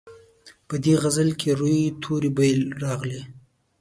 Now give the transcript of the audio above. په دې غزل کې روي توري بېل بېل راغلي.